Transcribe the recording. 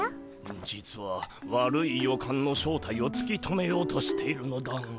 実は悪い予感の正体をつき止めようとしているのだが。